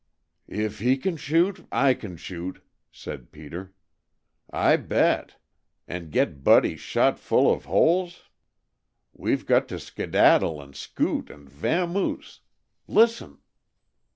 "If he can shoot, I can shoot," said Peter. "I bet! And get Buddy shot all full of holes? We've got to skedaddle and scoot and vamoose, listen!"